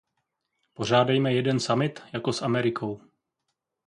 Pořádejme jeden summit jako s Amerikou.